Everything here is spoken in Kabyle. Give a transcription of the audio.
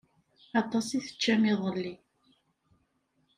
Aṭas i teččam iḍelli.